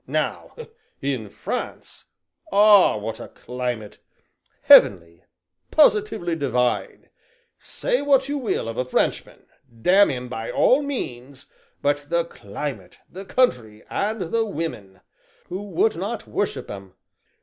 Now in France ah, what a climate heavenly positively divine; say what you will of a Frenchman, damn him by all means, but the climate, the country, and the women who would not worship 'em?"